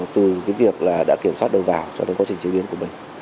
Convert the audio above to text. từ cái việc là đã kiểm soát đầu vào cho đến quá trình chế biến của mình